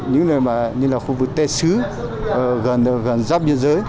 những nơi như là khu vực tê sứ gần giáp nhân giới